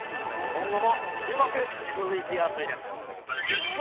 今後も注目、ＭＶＰ争いです。